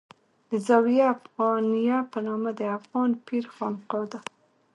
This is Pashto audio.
د زاویه افغانیه په نامه د افغان پیر خانقاه ده.